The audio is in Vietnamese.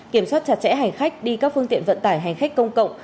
kiểm soát chặt chẽ hành khách đi các phương tiện vận tải hành khách công cộng